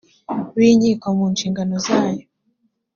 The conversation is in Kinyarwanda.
b inkiko mu nshingano zayo